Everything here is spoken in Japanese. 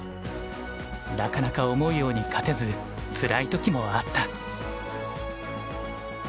なかなか思うように勝てずつらい時もあった。